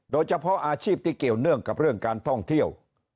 โดยเฉพาะอาชีพที่เกี่ยวเนื่องกับเรื่องการท่องเที่ยว